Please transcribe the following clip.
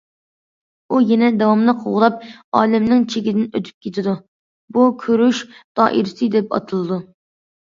ئۇ يەنە داۋاملىق غۇلاپ، ئالەمنىڭ چېكىدىن ئۆتۈپ كېتىدۇ، بۇ كۆرۈش دائىرىسى دەپ ئاتىلىدۇ.